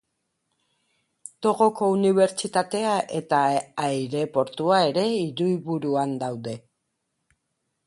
Togoko unibertsitatea eta aireportua ere hiriburuan daude.